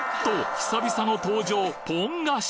久々の登場ポン菓子！